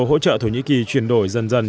hỗ trợ thổ nhĩ kỳ chuyển đổi dần dần